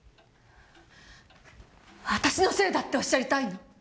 私のせいだっておっしゃりたいの？